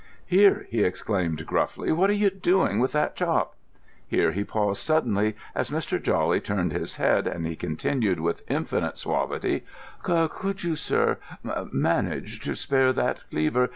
"Here," he exclaimed gruffly, "what are you doing with that chop——" Here he paused suddenly as Mr. Jawley turned his head, and he continued with infinite suavity: "Could you, sir, manage to spare that cleaver?